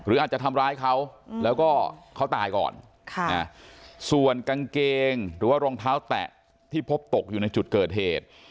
อาจจะทำร้ายเขาแล้วก็เขาตายก่อนส่วนกางเกงหรือว่ารองเท้าแตะที่พบตกอยู่ในจุดเกิดเหตุ